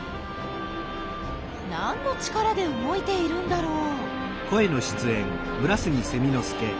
何の力で動いているんだろう？